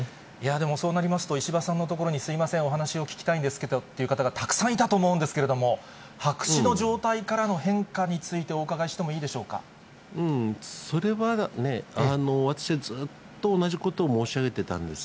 でもそうなりますと、石破さんのところにすみません、お話を聞きたいんですけれどもという方がたくさんいたと思うんですけれども、白紙の状態からの変化についてお伺いしてもいいでしそれは、私ずっと同じことを申し上げてたんです。